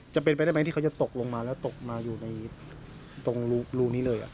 จะเป็นไปได้ไหมที่เขาจะตกลงมาแล้วตกมาอยู่ในตรงรูนี้เลย